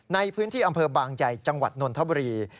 ในพื้นที่อำเภอบางใหญ่จังหวัดนนทบุรี